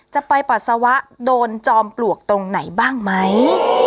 จะไปปัสสาวะโดนจอมปลวกตรงไหนบ้างไหม